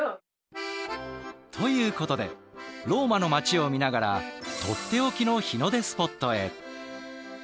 ということでローマの街を見ながらとっておきの日の出スポットへ。